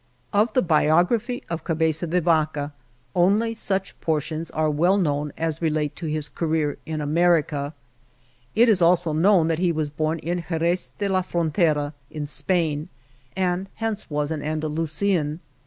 Of the biography of Cabeza de Vaca only such portions are well known as relate to his career in America. It is also known that he was born in Jerez de la Frontera, in Spain, and hence was an Andalusian.